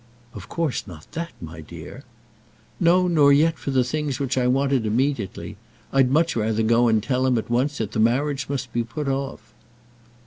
"Of course not that, my dear." "No; nor yet for the things which I wanted immediately. I'd much rather go and tell him at once that the marriage must be put off."